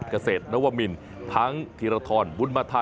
เกษตรนวมินทั้งธีรทรบุญมาธา